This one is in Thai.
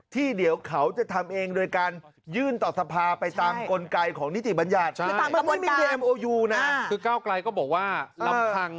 ที่เดี๋ยวเขาจะทำเองโดยการยื่นต่อสภาไปตามกลไกของนิติบัญญัติ